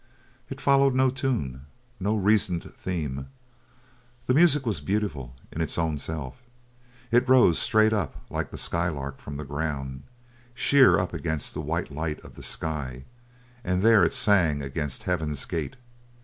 It followed no tune, no reasoned theme. The music was beautiful in its own self. It rose straight up like the sky lark from the ground, sheer up against the white light of the sky, and there it sang against heaven's gate.